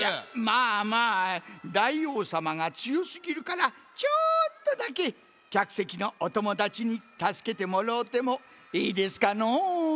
まあまあ大王さまがつよすぎるからちょっとだけきゃくせきのおともだちにたすけてもろうてもええですかのう？